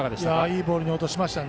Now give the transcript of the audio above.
いいボール、落としました。